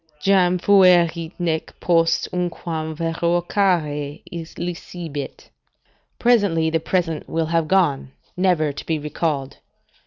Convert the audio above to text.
"Jam fuerit, nec post unquam revocare licebit." ["Presently the present will have gone, never to be recalled."